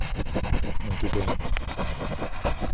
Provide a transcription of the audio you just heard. Muito bem!